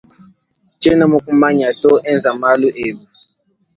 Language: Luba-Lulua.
Tshiena mukumanya to enza malu ebe.